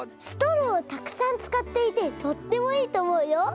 ストローをたくさんつかっていてとってもいいとおもうよ。